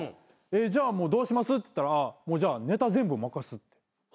じゃあどうします？って言ったら「ネタ全部任す」って。